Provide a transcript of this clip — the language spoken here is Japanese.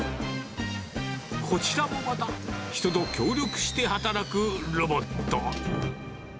こちらもまた、人と協力して働くロボット。